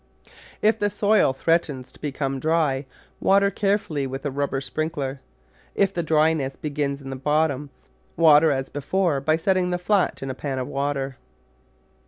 If the soil threatens to become dry, water carefully with a rub ber sprinkler. If the dryness begins in the bottom, water as before by setting the flat in a pan of water.